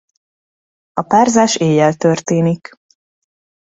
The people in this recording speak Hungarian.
A párzás éjjel történik.